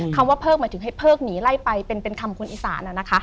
คำว่าเพิกหมายถึงเหมือนให้เพิกหนีไล่ไปเป็นคำคุณอิสานณนะค่ะ